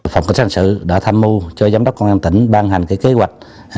phòng cảnh sát hành sự đã tham mưu cho giám đốc công an tỉnh ban hành kế hoạch